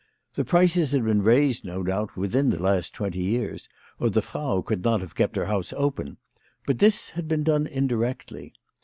The prices had been raised, no doubt, within the last twenty years, or the Frau could not have kept her house open ; but this had been done indirectly.